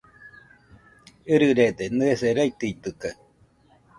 ɨrɨrede, nɨese raitɨtɨkaɨ